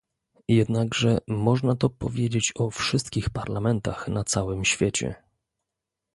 Jednakże można to powiedzieć o wszystkich parlamentach na całym świecie